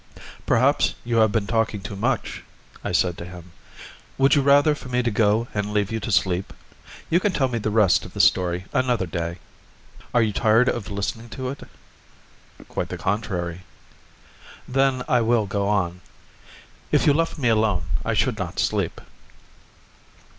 "Perhaps you have been talking too much," I said to him. "Would you rather for me to go and leave you to sleep? You can tell me the rest of the story another day." "Are you tired of listening to it?" "Quite the contrary." "Then I will go on. If you left me alone, I should not sleep."